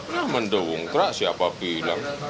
nah mendungkrak siapa bilang